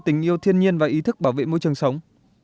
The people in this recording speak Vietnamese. tình yêu thiên nhiên và ý thức bảo vệ môi trường sống